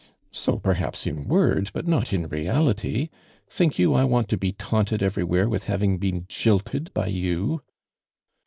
"So, perhaps, in word, but not in reality. Think you I want to be taunted everywhere witli having been jilted by you?"